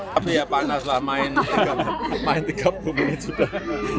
tapi ya panaslah main tiga puluh menit sudah